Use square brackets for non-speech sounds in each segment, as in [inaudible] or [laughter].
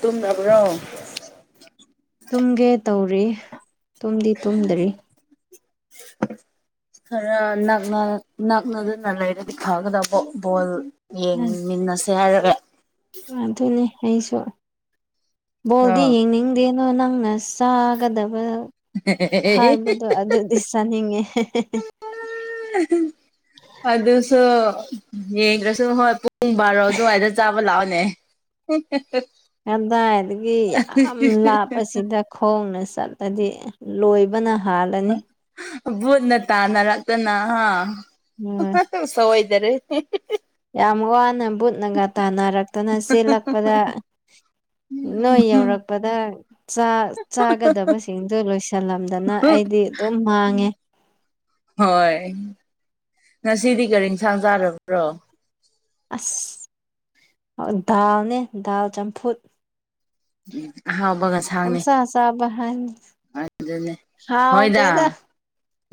ꯇꯨꯝꯃꯕ꯭ꯔꯣ꯫ ꯇꯨꯝꯒꯦ ꯇꯧꯔꯤ꯫ ꯇꯨꯝꯗꯤ ꯇꯨꯝꯗ꯭ꯔꯤ [unintelligible] ꯈꯔ ꯅꯛꯅ ꯅꯛꯅꯗꯨꯅ ꯂꯩꯔꯗꯤ ꯐꯒꯗꯕ ꯕꯣꯜ ꯌꯦꯡꯃꯤꯟꯅꯁꯦ ꯍꯥꯏꯔꯒ꯫ ꯑꯗꯨꯅꯦ ꯑꯩꯁꯨ ꯑ ꯕꯣꯜꯗꯤ ꯌꯦꯡꯅꯤꯡ ꯗꯦꯅꯣ ꯅꯪꯅ ꯆꯥꯒꯗꯕ ꯍꯥꯏꯕꯗꯣ ꯑꯗꯨ ꯏꯁ ꯆꯅꯤꯡꯉꯦ꯫ ꯑꯗꯨꯁꯨ ꯌꯦꯗ꯭ꯔꯁꯨ ꯍꯣꯏ ꯄꯨꯡ ꯕꯥꯔꯣ ꯑꯗꯨꯋꯥꯏꯗ ꯆꯥꯕ ꯂꯥꯛꯑꯣꯅꯦ꯫ ꯀꯗꯥꯏꯗꯒꯤ ꯌꯥꯝ ꯂꯥꯞꯄꯁꯤꯗ꯫ ꯈꯣꯡꯅ ꯆꯠꯂꯗꯤ ꯂꯣꯏꯕꯅ ꯍꯥꯜꯂꯅꯤ꯫ ꯚꯨꯠꯅ ꯇꯥꯟꯅꯔꯛꯇꯅ ꯍꯥ ꯎꯝ ꯁꯑꯣꯏꯗꯔꯦ ꯌꯥꯝ ꯋꯥꯅ ꯕꯨꯨꯠꯅꯒ ꯇꯥꯟꯅꯔꯛꯇꯅ ꯆꯦꯜꯂꯛꯄꯗ꯫ ꯅꯣꯏ ꯌꯧꯔꯛꯄꯗ꯫ ꯆꯥꯒꯗꯕꯁꯤꯡꯗꯣ ꯂꯣꯏꯁꯤꯜꯂꯝꯗꯅ ꯑꯩꯗꯤ ꯑꯗꯨꯝ ꯃꯥꯡꯉꯦ꯫ ꯍꯣꯏ ꯉꯁꯤꯗꯤ ꯀꯔꯤꯁꯥꯡ ꯆꯥꯔꯕ꯭ꯔꯣ꯫ ꯑꯁ ꯗꯥꯜꯅꯦ ꯗꯥꯜ ꯆꯝꯐꯨꯠ꯫ ꯑꯍꯥꯎꯕ ꯉꯁꯥꯡꯅꯤ ꯄꯨꯟꯁ ꯆꯥꯕ ꯍꯥꯏ ꯑꯗꯨꯅꯦ ꯍꯣꯏꯗ ꯁꯥꯎꯗꯦꯗ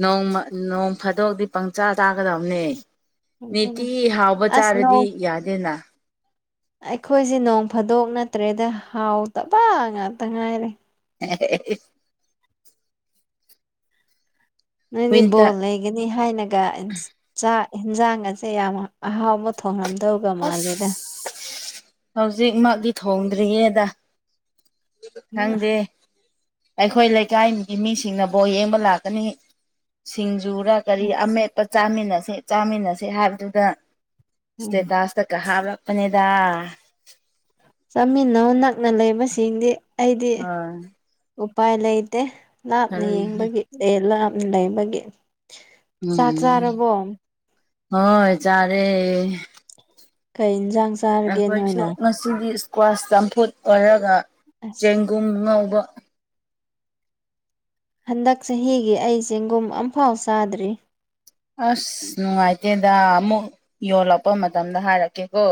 ꯅꯣꯡꯃ ꯅꯣꯡ ꯐꯥꯗꯣꯛꯗꯤ꯫ ꯄꯪꯆꯥ ꯆꯥꯒꯗꯕꯅꯦ ꯑꯗꯨꯅ ꯅꯤꯇꯤ ꯍꯥꯎꯕ ꯑꯁ ꯆꯥꯔꯗꯤ ꯅꯣꯡ ꯌꯥꯗꯦꯅ꯫ ꯑꯩꯈꯣꯏꯁꯦ ꯅꯣꯡ ꯐꯥꯗꯣꯛ ꯅꯠꯇ꯭ꯔꯦꯗ ꯍꯥꯎꯇꯕ ꯉꯥꯛꯇ ꯉꯥꯏꯔꯦ꯫ ꯎ [unintelligible] ꯅꯣꯏꯗꯤ ꯋꯤꯟꯇꯔ ꯕꯣꯜ ꯂꯩꯒꯅꯤ ꯍꯥꯏꯅꯒ ꯆꯥꯛ ꯌꯦꯟꯁꯥꯡ ꯑꯁꯦ ꯌꯥꯝ ꯑꯍꯥꯎꯕ ꯊꯣꯡꯉꯝꯗꯧꯒ ꯃꯥꯜꯂꯦꯗ꯫ ꯍꯧꯖꯤꯛꯃꯛꯗꯤ ꯊꯣꯡꯗ꯭ꯔꯤꯌꯦꯗ꯫ ꯈꯪꯗꯦ ꯑꯩꯈꯣꯏ ꯂꯩꯀꯥꯏꯒꯤ ꯃꯤꯁꯤꯡꯅꯕꯨꯣ ꯌꯦꯡꯕ ꯂꯥꯛꯀꯅꯤ꯫ ꯁꯤꯡꯖꯨꯔ ꯀꯔꯤ ꯑꯃꯦꯠꯄ ꯆꯥꯃꯤꯟꯅꯁꯦ ꯆꯥꯃꯤꯟꯅꯁꯦ ꯍꯥꯏꯕꯗꯨꯗ꯫ ꯏꯁꯇꯦꯇꯁ ꯀꯥ ꯍꯥꯕꯄꯅꯦꯗ ꯆꯥꯃꯤꯟꯅꯧ ꯅꯛꯅ ꯂꯩꯕꯁꯤꯡꯗꯤ ꯑꯩꯗꯤ ꯍꯣꯏ ꯎꯄꯥꯏ ꯂꯩꯇꯦ꯫ ꯂꯥꯞꯅ ꯌꯦꯡꯕꯒꯤ ꯑꯦ ꯂꯥꯞꯅ ꯂꯩꯕꯒꯤ꯫ ꯆꯥꯛ ꯎꯝ ꯆꯥꯔꯕꯣ ꯍꯣꯏ ꯆꯥꯔꯦ꯫ ꯀꯩ ꯏꯟꯁꯥꯡ ꯆꯥꯔꯒꯦ ꯑꯩꯈꯣꯏꯁꯨ ꯅꯣꯏꯅ ꯉꯁꯤꯗꯤ ꯏꯁꯀ꯭ꯋꯥꯁ ꯆꯝꯐꯨꯠ ꯑꯣꯏꯔꯒ ꯑꯁ ꯆꯦꯡꯒꯨꯝ ꯉꯧꯕ꯫ ꯍꯟꯗꯛ ꯆꯍꯤꯒꯤ ꯑꯩ ꯆꯦꯡꯒꯨꯝ ꯑꯝꯐꯥꯎ ꯆꯥꯗ꯭ꯔꯤ꯫ ꯑꯁ ꯅꯨꯡꯉꯥꯏꯇꯦꯗ ꯑꯃꯨꯛ ꯌꯣꯜꯂꯛꯄ ꯃꯇꯝꯗ ꯍꯥꯏꯔꯛꯀꯦꯀꯣ꯫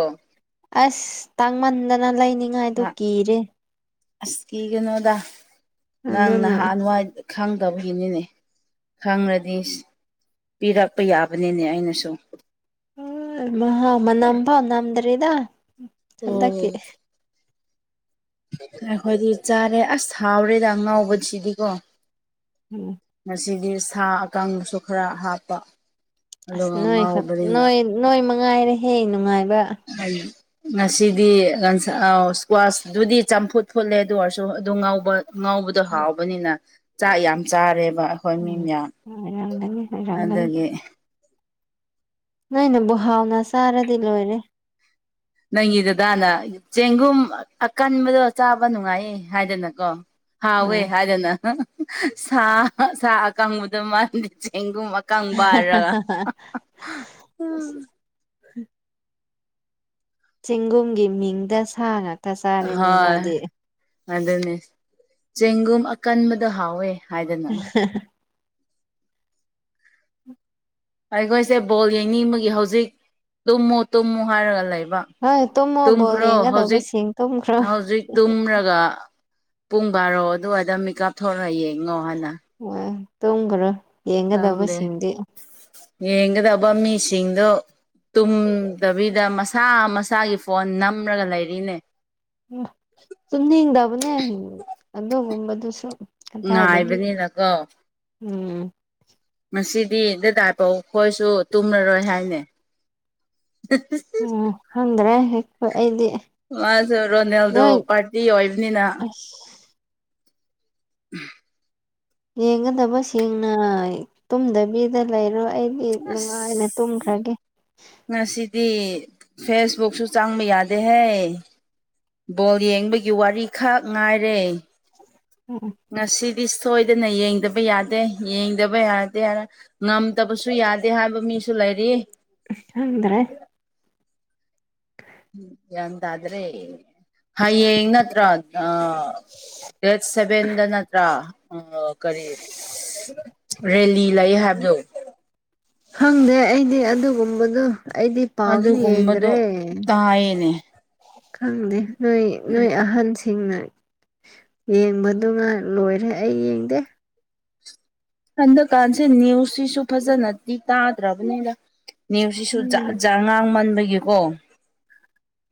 ꯑꯁ ꯇꯥꯡꯃꯟꯗꯅ ꯂꯩꯅꯤꯡꯉꯥꯏꯗꯨ ꯀꯤꯔꯦ꯫ ꯑꯁ ꯀꯤ ꯀꯩꯅꯣꯗ ꯅꯪ ꯑꯗꯨꯅ ꯅꯍꯥꯟ ꯋꯥꯏ ꯈꯪꯗꯕꯒꯤꯅꯤꯅꯦ ꯈꯪꯂꯉꯗꯤ ꯄꯤꯔꯛꯄ ꯌꯥꯕꯅꯤꯅꯦ ꯑꯩꯅꯁꯨ꯫ ꯃꯅꯥꯝꯕ ꯅꯝꯗꯔꯤꯗ ꯍꯟꯗꯛꯀꯤ꯫ ꯎꯝ ꯑꯩꯈꯣꯏꯗꯤ ꯆꯥꯔꯦ ꯑꯁ ꯊꯥꯎꯔꯦꯗ ꯉꯥꯎꯕꯁꯤꯗꯤꯀꯣ꯫ ꯎꯝ꯫ ꯉꯁꯤꯒꯤ ꯁꯥ ꯑꯀꯪꯕꯁꯨ ꯈꯔ ꯍꯥꯞꯄ꯫ ꯑꯁ ꯑꯗꯨꯒ ꯅꯣꯏ ꯉꯥꯎꯕꯅꯤꯅ ꯅꯣꯏ ꯅꯣꯏ ꯃꯉꯥꯏꯔꯦ ꯍꯦ ꯅꯨꯡꯉꯥꯏꯕ ꯎꯝ ꯉꯁꯤꯗꯤ ꯏꯁꯀ꯭ꯋꯥꯁꯇꯗꯤ ꯆꯝꯐꯨꯠ ꯐꯨꯠꯂꯦ ꯑꯗꯨ ꯑꯣꯏꯔꯁꯨ ꯑꯗꯨ ꯉꯥꯎꯕ ꯉꯧꯕꯗꯣ ꯍꯥꯎꯕꯅꯤꯅ ꯆꯥꯛ ꯌꯥꯝ ꯆꯥꯔꯦꯕ ꯑꯩꯈꯣꯏ ꯃꯤ ꯎꯝ ꯌꯥꯝ ꯑꯣꯏꯔꯝꯒꯅꯤ ꯑꯣꯏꯔꯝꯒꯅꯤ ꯑꯗꯒꯤ ꯅꯣꯏꯅꯦꯕꯨ ꯍꯥꯎꯅ ꯆꯥꯔꯗꯤ ꯂꯣꯏꯔꯦ ꯅꯪꯒꯤ ꯗꯗꯥꯅ ꯆꯦꯡꯒꯨꯝ ꯑꯀꯟꯕꯗꯣ ꯆꯥꯕ ꯅꯨꯡꯉꯥꯏꯌꯦ ꯍꯥꯏꯗꯅꯀꯣ ꯍꯥꯎꯋꯦ ꯎꯝ ꯍꯥꯏꯗꯅ ꯁꯥ ꯁꯥ ꯑꯀꯪꯕꯗ ꯃꯥꯜꯂꯤ ꯆꯦꯡꯒꯨꯝ ꯀꯪꯕ ꯍꯥꯏꯔꯒ ꯎꯝ ꯆꯦꯡꯒꯨꯝꯒꯤ ꯃꯤꯡꯗ ꯁꯥꯉꯛ ꯍꯣꯏ ꯑꯗꯨꯅꯦ ꯆꯦꯡꯒꯨꯝ ꯑꯀꯟꯕꯗꯣ ꯍꯥꯎꯋꯦ ꯍꯥꯏꯗꯅ [unintelligible] ꯑꯩꯈꯣꯏꯁꯦ ꯕꯣꯜ ꯌꯦꯡꯅꯤꯡꯕꯒꯤ ꯍꯧꯖꯤꯛ ꯇꯨꯝꯃꯨ ꯇꯨꯝꯃꯨ ꯍꯥꯏꯔꯒ ꯂꯩꯕ ꯍꯣꯏ ꯇꯨꯝꯃꯣ ꯕꯣ ꯇꯨꯝꯈ꯭ꯔꯣ ꯍꯧꯖꯤꯛ ꯌꯦꯡꯒꯗꯧꯕꯁꯤꯡꯦꯡ ꯇꯨꯝꯈ꯭ꯔꯣ ꯍꯧꯖꯤꯛ ꯇꯨꯝꯔꯒ ꯄꯨꯡ ꯕꯥꯔꯣ ꯑꯗꯨꯋꯥꯏꯗ ꯃꯤꯀꯑꯞ ꯊꯣꯛꯣꯔꯛꯑ ꯌꯦꯡꯉꯣ ꯍꯥꯟꯅ ꯑꯣ ꯇꯨꯡꯒ꯭ꯔꯣ ꯈꯪꯗꯦ ꯌꯦꯡꯒꯗꯕ ꯃꯤꯁꯤꯡꯗꯣ ꯇꯨꯝꯗꯕꯤꯗ ꯃꯁꯥ-ꯃꯁꯥꯒꯤ ꯐꯣꯟ ꯅꯝꯔꯒ ꯂꯩꯔꯤꯅꯦ꯫ ꯇꯨꯝꯅꯤꯡꯗꯕꯅꯦ ꯑꯗꯨꯒꯨꯝꯕꯗꯨꯁꯨ꯫ ꯀꯗꯥꯏꯗꯒꯤ ꯉꯥꯏꯕꯅꯤꯅꯀꯣ ꯎꯝ꯫ ꯉꯁꯤꯗꯤ ꯗꯗꯥꯐꯥꯎ ꯃꯈꯣꯏꯁꯨ ꯇꯨꯝꯃꯔꯣꯏ ꯍꯥꯏꯅꯦ꯫ ꯎꯝ ꯈꯪꯗꯔꯦ ꯑꯩꯈꯣꯏ ꯑꯩꯗꯤ꯫ ꯃꯥꯁꯨ ꯔꯣꯅꯦꯜꯗꯣ ꯅꯪ ꯄꯥꯔꯇꯤ ꯑꯣꯏꯕꯅꯤꯅ꯫ ꯑꯁ ꯎꯝ꯫ ꯌꯦꯡꯒꯗꯕꯁꯤꯡꯅ ꯇꯨꯝꯗꯕꯤꯗ ꯂꯩꯔꯣ ꯑꯩꯗꯤ꯫ ꯅꯨꯡꯉꯥꯏꯅ ꯇꯨꯝꯈ꯭ꯔꯒꯦ ꯑꯁ꯫ ꯉꯁꯤꯗꯤ ꯐꯦꯁꯕꯨꯛꯁꯨ ꯆꯥꯡꯕ ꯌꯥꯗꯦꯍꯦ꯫ ꯕꯣꯜ ꯌꯦꯡꯕꯒꯤ ꯋꯥꯔꯤꯈꯛ ꯉꯥꯏꯔꯦ꯫ ꯎꯝ ꯎꯝ꯫ ꯉꯁꯤꯗꯤ ꯁꯣꯏꯗꯅ ꯌꯦꯡꯗꯕ ꯌꯥꯗꯦ ꯌꯦꯡꯗꯕ ꯌꯥꯗꯦ ꯍꯥꯏꯅ꯫ ꯉꯝꯗꯕꯁꯨ ꯌꯥꯗꯦ ꯍꯥꯏꯕ ꯃꯤꯁꯨ ꯂꯩꯔꯤ꯫ ꯈꯪꯗꯔꯦ꯫ ꯎꯝ ꯒ꯭ꯌꯥꯟꯇꯗ꯭ꯔꯦ ꯍꯌꯦꯡ ꯅꯠꯇꯔꯥ ꯑ꯫ ꯗꯦꯠ ꯁꯚꯦꯟꯗ ꯅꯠꯇ꯭ꯔꯥ ꯑ ꯀꯔꯤ꯫ ꯔꯦꯂꯤ ꯂꯩ ꯍꯥꯏꯕꯗꯨ꯫ ꯈꯪꯗꯦ ꯑꯩꯗꯤ ꯑꯗꯨꯒꯨꯝꯕꯗꯨ ꯑꯩꯗꯤ ꯄꯥꯎꯁꯨ ꯑꯗꯨꯒꯨꯝꯕꯗꯣ ꯌꯦꯡꯗ꯭ꯔꯦ꯫ ꯇꯥꯏꯌꯦꯅꯦ ꯈꯪꯗꯦ ꯅꯣꯏ ꯅꯣꯏ ꯑꯍꯟꯁꯤꯡꯅ꯫ ꯌꯦꯡꯕꯗꯨ ꯉ ꯂꯣꯏꯔꯦ ꯑꯩ ꯌꯦꯡꯗꯦ꯫ ꯍꯟꯗꯛꯀꯥꯟꯁꯦ ꯅꯤꯌꯨꯁꯁꯤꯁꯨ ꯐꯖꯅꯗꯤ ꯇꯥꯗ꯭ꯔꯕꯅꯤꯅ꯫ ꯅꯤꯌꯨꯁ ꯁꯤꯁꯨ ꯈꯪꯗꯦ ꯖꯥꯠ-ꯖꯥꯠ ꯉꯥꯡꯃꯟꯕꯒꯤꯀꯣ꯫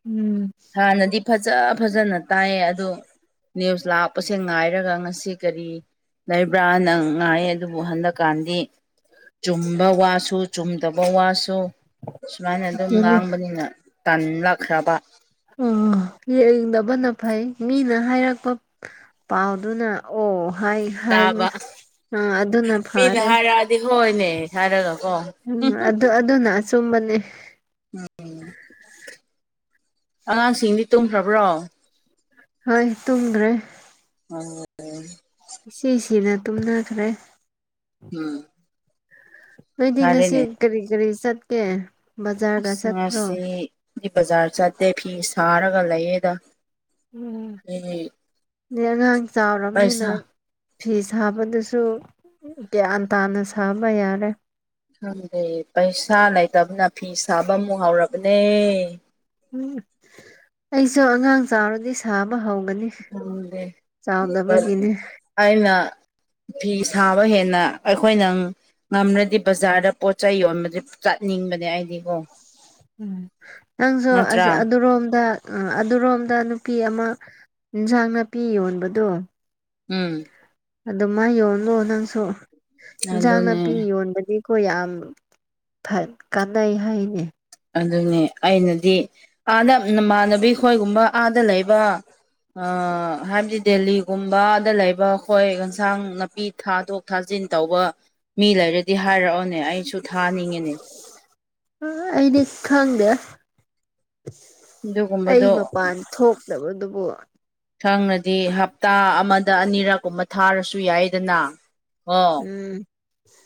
ꯎꯝ꯫ ꯍꯥꯟꯅꯗꯤ ꯐꯖ-ꯐꯖꯅ ꯇꯥꯏꯌꯦ ꯑꯗꯨ꯫ ꯅꯤꯌꯨꯁ ꯂꯥꯛꯄꯁꯦ ꯉꯥꯏꯔꯒ ꯉꯁꯤ ꯀꯔꯤ꯫ ꯂꯩꯕ꯭ꯔꯥꯅ ꯉꯥꯏ ꯑꯗꯨꯕꯨ ꯍꯟꯗꯛꯀꯥꯟꯗꯤ꯫ ꯆꯨꯝꯕ ꯋꯥꯁꯨ-ꯆꯨꯝꯗꯕ ꯋꯥꯁꯨ꯫ ꯁꯨ ꯁꯨꯃꯥꯏꯅ ꯑꯗꯨꯝ ꯑꯗꯨꯅꯦ ꯉꯥꯡꯕꯅꯤꯅ ꯇꯥꯟꯂꯛꯈ꯭ꯔꯕ꯫ ꯎꯝ ꯌꯦꯡꯗꯕꯅ ꯐꯩ ꯃꯤꯅ ꯍꯥꯏꯔꯛꯄ꯫ ꯄꯥꯎꯗꯨꯅ ꯑꯣ ꯍꯥꯏ꯫ ꯍꯥꯏꯅꯦ ꯇꯥꯕ꯫ ꯑꯥ ꯑꯗꯨꯅ ꯃꯤꯅ ꯐꯔꯦ ꯍꯥꯏꯔꯛꯑꯗꯤ ꯍꯣꯏꯅꯦ ꯍꯥꯏꯔꯒꯀꯣ꯫ ꯆꯨꯝꯕꯅꯦ꯫ ꯎꯝ꯫ [inaudible] ꯑꯉꯥꯡꯁꯤꯡꯗꯤ ꯇꯨꯝꯈ꯭ꯔꯕ꯭ꯔꯣ꯫ ꯍꯣꯏ ꯇꯨꯝꯒꯔꯦ꯫ ꯎꯝ꯫ ꯎꯝ꯫ ꯏꯁꯤꯁꯤꯅ ꯇꯨꯝꯅꯈ꯭ꯔꯦ꯫ ꯎꯝ꯫ ꯅꯣꯏꯗꯤ ꯉꯁꯤ ꯐꯔꯦꯅꯦ ꯀꯔꯤ ꯀꯔꯤ ꯆꯠꯀꯦ ꯕꯖꯥꯔꯗ ꯆꯠꯄ꯭ꯔꯣ꯫ ꯑꯩ ꯕꯥꯖꯔ ꯆꯠꯇꯦ ꯐꯤ ꯁꯔꯒ ꯂꯩꯌꯦꯗ ꯐꯤ꯫ ꯑ ꯑꯉꯥꯡ ꯆꯥꯎꯔꯕꯅꯤꯅ꯫ ꯄꯩꯁꯥ ꯐꯤ ꯁꯥꯕꯗꯨꯁꯨ ꯒ꯭ꯌꯥꯟ ꯇꯥꯅ ꯁꯥꯕ ꯌꯥꯔꯦ꯫ ꯈꯪꯗꯦ ꯄꯩꯁꯥ ꯂꯩꯇꯕꯅ ꯐꯤ ꯁꯥꯕ ꯑꯃꯨꯛ ꯍꯥꯎꯔꯕꯅꯦ꯫ ꯎꯝ ꯑꯩꯁꯨ ꯑꯉꯥꯡ ꯆꯥꯎꯔꯗꯤ ꯁꯥꯕ ꯍꯧꯒꯅꯤ꯫ ꯈꯪꯗꯦ ꯆꯥꯎꯗꯕꯒꯤꯅꯦ ꯑꯩꯅ꯫ ꯐꯤ ꯁꯥꯕ ꯍꯦꯟꯅ ꯑꯩꯈꯣꯏꯅꯪ꯫ ꯉꯝ꯭ꯔꯗꯤ ꯕꯖꯥꯔꯗ ꯄꯣꯠꯆ ꯌꯣꯟꯕꯗꯤ ꯆꯠꯅꯤꯡꯕꯅꯦ ꯑꯩꯗꯤꯀꯣ ꯎꯝ ꯅꯪꯁꯨ ꯅꯠꯇ꯭ꯔꯥ ꯑꯗꯨꯔꯣꯝꯗ ꯑꯥ ꯑꯗꯨꯔꯣꯝꯗ ꯅꯨꯄꯤ ꯑꯃ ꯏꯟꯖꯥꯡ ꯅꯥꯄꯤ ꯌꯣꯟꯕꯗꯣ ꯎꯝ ꯑ ꯃꯥ ꯌꯣꯂꯣ ꯅꯪꯁꯨ ꯏꯟꯁꯥꯡ ꯅꯥꯄꯤ ꯑꯗꯨꯅꯦ ꯌꯣꯟꯕꯒꯤ ꯑꯩꯈꯣꯏ ꯌꯥꯝ ꯀꯥꯟꯅꯩ ꯍꯥꯏꯅꯤ ꯑꯗꯨꯅꯦ ꯑꯩꯅꯗꯤ ꯑꯥꯗ ꯅꯃꯥꯟꯅꯕꯤ ꯈꯈꯣꯏꯒꯨꯝꯕ ꯑꯥꯗ ꯂꯩꯕ ꯍꯥꯏꯕꯗꯤ ꯗꯦꯜꯂꯤꯒꯨꯝꯕꯗ ꯂꯩꯕ ꯑꯩꯈꯣꯏ ꯌꯦꯟꯁꯥꯡ ꯅꯥꯄꯤ ꯊꯥꯗꯣꯛ ꯊꯥꯖꯤꯤꯟ ꯇꯧꯕ ꯃꯤ ꯂꯩꯔꯗꯤ ꯍꯥꯏꯔꯛꯑꯣꯅꯦ ꯑꯩꯁꯨ ꯊꯥꯅꯤꯡꯉꯤꯅꯦ ꯑꯩꯗꯤ ꯈꯪꯗꯦ ꯑꯩ ꯑꯗꯨꯒꯨꯝꯕꯗꯣ ꯃꯄꯥꯟ ꯊꯣꯛꯇꯕꯗꯨꯕꯨ ꯁꯪꯅꯗꯤ ꯍꯞꯇꯥ ꯑꯃꯗ ꯑꯅꯤꯔꯛ ꯀꯨꯝꯕ ꯊꯥꯔꯁꯨ ꯌꯥꯏꯗꯅ ꯑꯣ ꯎꯝ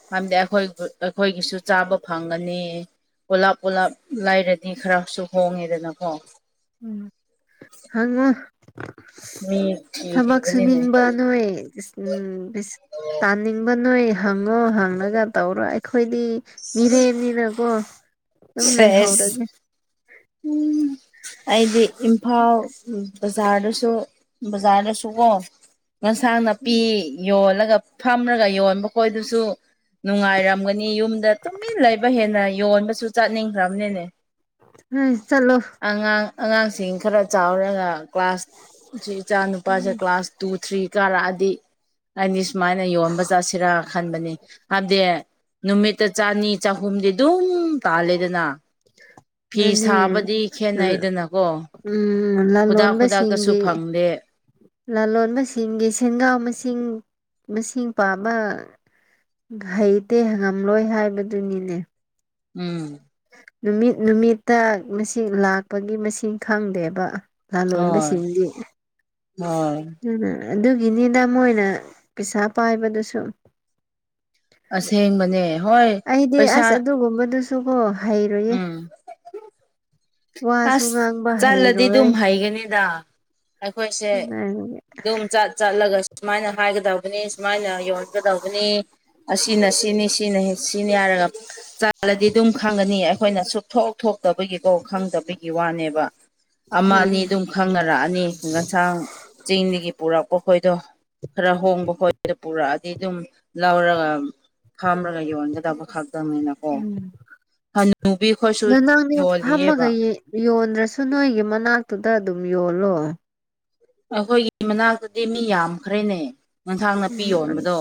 ꯍꯥꯏꯕꯗꯤ ꯑꯩꯈꯣꯏ ꯑꯩꯈꯣꯏꯒꯤꯁꯨ ꯆꯥꯕ ꯐꯪꯒꯅꯤ ꯄꯣꯂꯥꯞ ꯄꯣꯂꯥꯞ ꯂꯥꯏꯔꯗꯤ ꯈꯔꯁꯨ ꯍꯣꯡꯉꯦꯗꯅꯀꯣ ꯎꯝ ꯍꯉ ꯃꯤ ꯊꯕꯛ ꯊꯤꯔꯤꯕꯅꯤꯅꯦ ꯁꯨꯅꯤꯡꯕ ꯅꯣꯏ ꯎꯝꯤꯁ ꯇꯥꯅꯤꯡꯕ ꯅꯣꯏ ꯍꯪꯉꯣ ꯍꯪꯉꯒ ꯇꯧꯔꯣ ꯑꯩ ꯑꯩꯈꯣꯏꯗꯤ ꯃꯤꯔꯦꯟꯅꯤꯅꯀꯣ ꯑꯗꯨꯝ ꯂꯩꯍꯧꯔꯒꯦ ꯎꯝ ꯑꯩꯗꯤ ꯏꯝꯐꯥꯜ ꯎ ꯕꯖꯥꯔꯗꯁꯨ ꯕꯖꯥꯔꯗꯁꯨꯀꯣ ꯉꯟꯁꯥꯡ ꯅꯥꯄꯤ ꯌꯣꯜꯂꯒ ꯐꯝꯔꯒ ꯌꯣꯟꯕ ꯈꯣꯏꯗꯨꯁꯨ ꯅꯨꯡꯉꯥꯏꯔꯝꯒꯅꯤ ꯌꯨꯝꯗ ꯇꯨꯃꯤꯟ ꯂꯩꯕ ꯍꯦꯟꯅ ꯌꯣꯟꯕꯁꯨ ꯆꯥꯅꯤꯡꯈ꯭ꯔꯕꯅꯤꯅꯦ ꯎꯝ ꯆꯂꯣ ꯑꯉꯥꯡ ꯑꯉꯥꯡꯁꯤꯡ ꯈꯔ ꯆꯥꯎꯔꯒ ꯀ꯭ꯂꯥꯁꯁꯤ ꯏꯆꯥ ꯅꯨꯨꯄꯥꯁꯦ ꯀ꯭ꯂꯥꯁ ꯇꯨ ꯊ꯭ꯔꯤ ꯀꯥꯔꯛꯑꯗꯤ ꯍꯥꯏꯅꯤ ꯁꯨꯃꯥꯏꯅ ꯌꯣꯟꯕ ꯆꯠꯁꯤꯔꯥ ꯈꯟꯕꯅꯤ ꯍꯥꯏꯕꯗꯤ ꯅꯨꯃꯤꯠꯇ ꯆꯅꯤ ꯆꯍꯨꯝꯗꯤ ꯑꯗꯨꯝ ꯇꯥꯜꯂꯦꯗꯅ ꯐꯤ ꯃꯅꯤ ꯁꯥꯕꯗꯤ ꯎꯝ ꯈꯦꯠꯅꯩꯗꯅꯀꯣ ꯎꯝ ꯈꯨꯗꯥꯛ ꯈꯨꯗꯥꯛꯇꯁꯨ ꯂꯂꯣꯟꯣꯟꯕꯁꯤꯡꯦ ꯐꯪꯗꯦ ꯂꯣꯕꯒꯤ ꯁꯦꯟꯒꯥꯎ ꯃꯁꯤꯡ ꯃꯁꯤꯡ ꯄꯥꯕ ꯍꯩꯇꯦ ꯍꯪꯉꯝꯂꯣꯏ ꯍꯥꯏꯕꯗꯨꯅꯤꯅꯦ ꯎꯝ ꯅꯨꯃꯤꯠ ꯅꯨꯃꯤꯠꯇ ꯃꯁꯤ ꯂꯥꯛꯄꯒꯤ ꯃꯁꯤꯡ ꯈꯪꯗꯦꯕ ꯂꯥ ꯂꯣꯟꯕ ꯍꯣꯏ ꯁꯤꯗꯤꯅ ꯍꯣꯏ ꯑꯗꯨꯒꯤꯅꯤꯗ ꯃꯣꯏꯅ ꯄꯩꯁꯥ ꯄꯥꯏꯕꯗꯨꯁꯨ ꯑꯁꯦꯡꯕꯅꯦ ꯍꯣꯏ ꯑꯩꯗꯤ ꯄꯩꯁꯥ ꯑꯁ ꯑꯗꯨꯒꯨꯝꯕꯗꯨꯁꯨ ꯀꯣ ꯍꯩꯔꯣꯏꯌꯦ ꯎꯝ ꯋꯥꯁꯨ ꯑꯁ ꯉꯥꯡꯕ ꯆꯠꯂꯗꯤ ꯑꯗꯨꯝ ꯍꯩꯔꯣꯏ ꯍꯩꯒꯅꯤꯗ ꯑꯩꯈꯣꯏꯁꯦ ꯎꯝ ꯑꯗꯨꯝ ꯆꯠ ꯆꯠꯂꯒ ꯁꯨꯃꯥꯏꯅ ꯍꯥꯏꯒꯗꯧꯕꯅꯤ ꯁꯨꯃꯥꯏꯅ ꯌꯣꯟꯒꯗꯧꯕꯅꯤ ꯑꯁꯤꯅ ꯁꯤꯅꯤ ꯁꯤꯅꯤ ꯁꯤꯅꯤ ꯍꯥꯏꯔꯒ ꯆꯥꯠꯂꯗꯤ ꯑꯗꯨꯝ ꯈꯪꯒꯅꯤ ꯑꯩꯈꯣꯏꯅ ꯁꯨꯛꯊꯣꯛ ꯊꯣꯛꯇꯕꯒꯤꯀꯣ ꯈꯪꯗꯕꯒꯤ ꯋꯥꯅꯦꯕ ꯑꯃ ꯑꯅꯤ ꯑꯗꯨꯝ ꯈꯪꯅꯔꯛꯑꯅꯤ ꯈꯨꯡꯒꯟꯁꯥꯡ ꯆꯤꯡꯗꯒꯤ ꯄꯨꯔꯛꯄ ꯈꯣꯏꯗꯣ ꯈꯔ ꯍꯣꯡꯕ ꯍꯣꯏꯗ ꯄꯨꯔꯛꯑꯗꯤ ꯑꯗꯨꯝ ꯂꯧꯔꯒ ꯐꯝꯔꯒ ꯌꯣꯟꯒꯗꯕ ꯈꯛꯇꯪꯅꯤꯅꯀꯣ ꯍꯅꯨꯕꯤ ꯈꯣꯏꯁꯨ ꯅꯅꯪꯗꯤ ꯌꯣꯜꯂꯤꯌꯦꯕ ꯐꯝꯃꯒ ꯌꯣꯟꯗ꯭ꯔꯁꯨ ꯅꯣꯏꯒꯤ ꯃꯅꯥꯛꯇꯨꯗ ꯑꯗꯨꯝ ꯌꯣꯜꯂꯣ ꯑꯩꯈꯣꯏꯒꯤ ꯃꯅꯥꯛꯇꯗꯤ ꯃꯤ ꯌꯥꯝꯈ꯭ꯔꯦꯅꯦ ꯌꯦꯟꯁꯥꯡ ꯅꯥꯄꯤ ꯎꯝ ꯌꯣꯟꯕꯗꯣ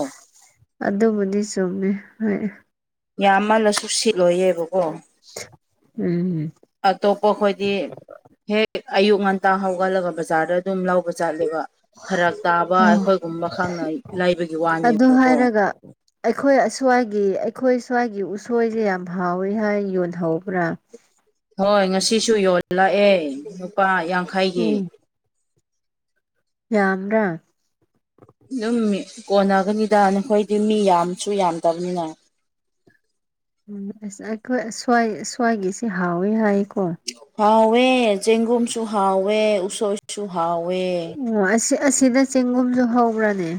ꯑꯗꯨꯕꯨꯗꯤ ꯆꯨꯝꯃꯦ ꯍꯣꯏ ꯌꯥꯝꯃꯜꯂꯁꯨ ꯁꯤꯠꯂꯣꯏꯌꯦꯕꯀꯣ ꯎꯝ ꯑꯇꯣꯞꯄꯈꯣꯏꯗꯤ ꯍꯦꯛ ꯑꯌꯨꯛ ꯉꯟꯇꯥ ꯍꯧꯒꯠꯂꯒ ꯕꯖꯥꯔꯗ ꯑꯗꯨꯝ ꯂꯧꯕ ꯆꯠꯂꯦꯕ ꯐꯔꯛ ꯇꯥꯕ ꯑꯣ ꯑꯩꯈꯣꯏꯒꯨꯝꯕ ꯈꯛꯅ ꯂꯩꯕꯒꯤ ꯑꯗꯨ ꯋꯥꯅꯦꯕꯀꯣ ꯍꯥꯏꯔꯒ ꯑꯩꯈꯣꯏ ꯑꯁ꯭ꯋꯥꯏꯒꯤ ꯑꯩꯈꯣꯏ ꯁ꯭ꯋꯥꯏꯒꯤ ꯎꯁꯣꯏꯁꯦ ꯌꯥꯝ ꯍꯥꯎꯋꯤ ꯍꯥꯏ ꯌꯣꯟꯍꯧꯕ꯭ꯔꯥ ꯍꯣꯏ ꯉꯁꯤꯁꯨ ꯌꯣꯜꯂꯛꯑꯦ ꯂꯨꯄꯥ ꯌꯥꯡꯈꯩꯒꯤ ꯌꯝꯕꯔꯥ ꯑꯗꯨꯝ ꯀꯣꯟꯅꯒꯅꯤꯗ ꯅꯈꯣꯏꯗꯤ ꯃꯤ ꯌꯥꯝꯁꯨ ꯌꯥꯝꯗꯕꯅꯤꯅ ꯎꯝ ꯑꯁ ꯑꯩꯈꯣꯏꯁ꯭ꯋꯥꯏꯒꯤꯁꯤ ꯍꯥꯎꯋꯦ ꯍꯥꯏꯌꯦꯀꯣ ꯍꯥꯎꯋꯦ ꯆꯦꯡꯒꯨꯝꯁꯨ ꯍꯥꯎꯋꯦ ꯎꯁꯣꯏꯁꯨ ꯍꯥꯎꯋꯦ ꯑꯣ ꯑꯁꯤ ꯑꯁꯤꯗ ꯆꯦꯡꯒꯨꯝꯁꯨ ꯍꯧꯕ꯭ꯔꯅꯦ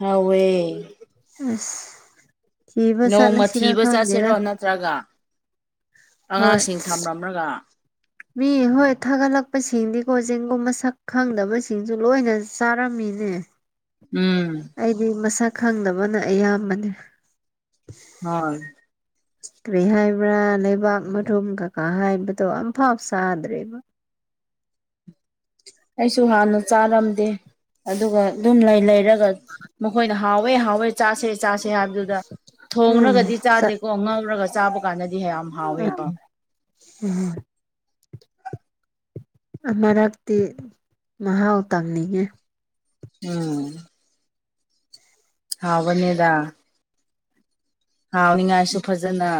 ꯍꯧꯋꯦ ꯑꯁ ꯊꯤꯕ ꯅꯣꯡꯃ ꯆꯠꯂꯁꯤꯔꯥ ꯊꯤꯕ ꯆꯥꯁꯤꯔꯣ ꯈꯪꯗꯦꯗ ꯅꯠꯇ꯭ꯔꯒ ꯍꯣꯏ ꯑꯉꯥꯡꯁꯤꯡ ꯊꯝꯂꯝꯂꯒ ꯃꯤ ꯍꯣꯏ ꯊꯥꯒꯠꯂꯛꯄꯁꯤꯡꯗꯤꯀꯣ ꯆꯦꯡꯒꯨꯝ ꯃꯁꯛ ꯈꯪꯗꯕꯁꯤꯡꯁꯨ ꯂꯣꯏꯅ ꯆꯥꯔꯝꯃꯤꯅꯦ ꯎꯝ ꯑꯩꯗꯤ ꯃꯁꯛ ꯈꯪꯗꯕꯅ ꯑꯌꯥꯝꯕꯅꯦ ꯍꯣꯏ ꯀꯔꯤ ꯍꯥꯏꯕ꯭ꯔꯥ ꯂꯩꯕꯥꯛ ꯃꯔꯨꯝ ꯀꯀꯥ ꯍꯥꯏꯕꯗꯣ ꯑꯝꯐꯥꯎ ꯆꯗ꯭ꯔꯦꯕ ꯑꯩꯁꯨ ꯍꯥꯟꯅ ꯆꯥꯔꯝꯗꯦ ꯑꯗꯨꯒ ꯑꯗꯨꯝ ꯂꯩ ꯂꯩꯔꯒ ꯃꯈꯣꯏꯅ ꯍꯥꯥꯎꯋꯦ ꯍꯥꯎꯋꯦ ꯆꯥꯁꯦ ꯆꯥꯁꯦ ꯍꯥꯏꯕꯗꯨꯗ ꯎꯝ ꯊꯣꯡꯔꯒꯗꯤ ꯆꯥꯗꯦꯀꯣ ꯉꯧꯔꯒ ꯆꯥꯕ ꯀꯥꯟꯗꯗꯤ ꯌꯥꯝ ꯍꯥꯎꯋꯦꯕ ꯎꯝ ꯃꯔꯛꯇꯤ ꯃꯍꯥꯎ ꯇꯪꯅꯤꯡꯉꯦ ꯎꯝ ꯍꯥꯥꯎꯕꯅꯦꯗ ꯍꯥꯎꯅꯤꯡꯉꯥꯏꯁꯨ ꯐꯖꯅ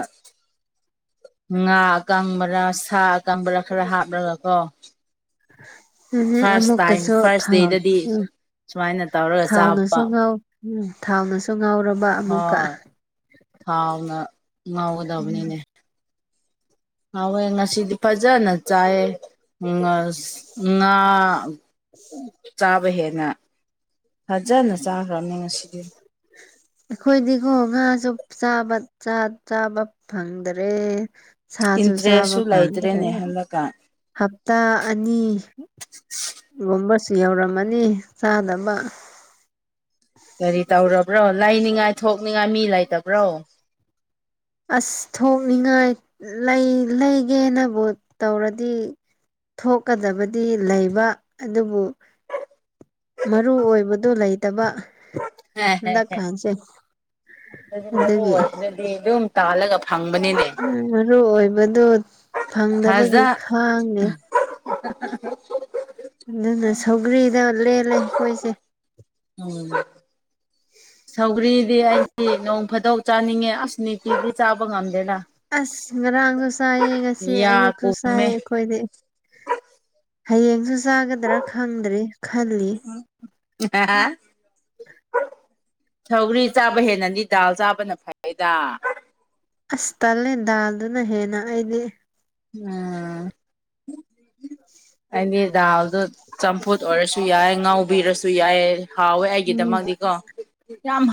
ꯉꯥ ꯑꯀꯪꯕꯔ ꯁꯥ ꯑꯀꯪꯕꯔꯥ ꯈꯔ ꯍꯥꯞꯂꯒ ꯀꯣ [unintelligible] ꯐꯥꯔꯁ ꯇꯥꯏꯝ ꯑꯃꯨꯛꯀꯁꯨ ꯐꯥꯔꯁ ꯊꯥꯎ ꯗꯦꯗꯗꯤ ꯎꯝ ꯁꯨꯃꯥꯏꯅ ꯇꯧꯔꯒ ꯆꯥꯕ ꯊꯥꯎꯅꯁꯨ ꯉꯧ ꯎꯝ ꯊꯥꯎꯅꯁꯨ ꯉꯥꯎꯔꯕ ꯑꯃꯨꯛꯀ ꯍꯣꯏ ꯊꯥꯎꯅ ꯎꯝ ꯉꯧꯒꯗꯕꯅꯤꯅꯦ ꯍꯥꯎꯋꯦ ꯉꯁꯤꯗꯤ ꯐꯖꯅ ꯆꯥꯏꯌꯦ ꯉꯥ [unintelligible] ꯆꯥꯛ ꯐꯕ ꯍꯦꯟꯅ ꯐꯖꯅ ꯆꯥꯈ꯭ꯔꯕꯅꯤ ꯉꯁꯤꯗꯤ ꯑꯩꯈꯣꯏꯗꯤꯀꯣ ꯉꯥꯁꯨ ꯆꯥꯕ ꯆꯥꯕ ꯐꯪꯗ꯭ꯔꯦ ꯁꯥꯁꯨ ꯆꯥꯕ ꯏꯟꯇꯔꯦꯁꯁꯨ ꯐꯪꯗ꯭ꯔꯦ ꯂꯩꯇ꯭ꯔꯦꯅꯦ ꯍꯟꯗꯛꯀ ꯍꯥꯞꯇꯥ ꯑꯅꯤ ꯒꯨꯝꯕꯁꯨ ꯌꯧꯔꯝꯃꯅꯤ ꯆꯥꯗꯅꯕ ꯀꯔꯤ ꯇꯧꯔꯕ꯭ꯔꯣ ꯂꯩꯅꯤꯡꯉꯥꯏ ꯊꯣꯛꯅꯤꯡꯉꯥꯏ ꯃꯤ ꯂꯩꯇꯕ꯭ꯔꯣ ꯑꯁ ꯊꯣꯛꯅꯤꯡꯉꯥꯏ ꯂꯩ ꯂꯩꯒꯦꯅꯕꯨ ꯇꯧꯔꯗꯤ ꯊꯣꯛꯀꯗꯕꯗꯤ ꯂꯩꯕ ꯑꯗꯨꯕꯨ ꯃꯔꯨ ꯑꯣꯏꯕꯗꯨ ꯂꯩꯇꯕ ꯍꯟꯗꯛ ꯈꯥꯟꯖꯩ ꯑꯗꯨ ꯃꯔꯨ ꯑꯣꯏꯗꯨꯅꯗꯤ ꯑꯗꯨꯝ ꯇꯥꯜꯂꯒ ꯐꯪꯕꯅꯤ ꯎꯝ ꯃꯔꯨ ꯑꯣꯏꯕꯗꯨ ꯐꯪꯗꯕꯒꯤ ꯐꯖ ꯈꯥꯡꯉꯦ ꯑꯗꯨꯅ ꯁꯧꯒ꯭ꯔꯤꯗ ꯂꯦꯜꯂꯦ ꯑꯩꯈꯣꯏꯁꯦ ꯎꯝ ꯁꯧꯒ꯭ꯔꯤꯗꯤ ꯑꯩꯗꯤ ꯅꯣꯡ ꯐꯥꯗꯧ ꯆꯥꯅꯤꯡꯉꯦ ꯑꯁ ꯄꯤꯤꯗꯤ ꯆꯥꯕ ꯉꯝꯗꯦꯅ ꯑꯁ ꯉꯔꯥꯡꯁꯨ ꯆꯥꯏꯌꯦ ꯉꯁꯤ ꯌꯥ ꯑꯌꯨꯛꯁꯨ ꯀꯨꯝꯃꯦ ꯆꯥꯏꯌꯦ ꯑꯩꯈꯣꯏꯗꯤ ꯍꯌꯦꯡꯁꯨ ꯆꯥꯒꯗ꯭ꯔꯥ ꯈꯪꯗ꯭ꯔꯔꯤ ꯈꯜꯂꯤ ꯍꯥ [inaudible] ꯁꯧꯒꯔꯤ ꯆꯥꯕ ꯍꯦꯟꯅꯗꯤ ꯗꯥꯜ ꯆꯥꯕꯅ ꯐꯩꯗ ꯑꯁ ꯇꯜꯂꯦ ꯗꯥꯜꯗꯨꯅ ꯍꯦꯟꯅ ꯑꯩꯗꯤ ꯎꯝ ꯑꯗꯤ ꯗꯥꯎꯗ ꯆꯝꯄꯨ ꯑꯣꯏꯔꯁꯨ ꯌꯥꯏ ꯉꯥꯎꯕꯤꯔꯁꯨ ꯌꯥꯏ ꯍꯥꯎꯋꯦ ꯎꯝ ꯑꯩꯒꯤꯗꯃꯗꯤꯀꯣ ꯌꯥꯝ